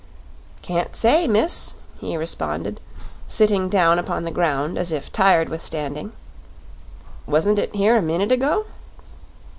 "Can't say, miss," he responded, sitting down upon the ground as if tired with standing. "Wasn't it here a minute ago?"